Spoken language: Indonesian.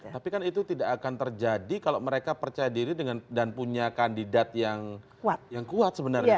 tapi kan itu tidak akan terjadi kalau mereka percaya diri dan punya kandidat yang kuat sebenarnya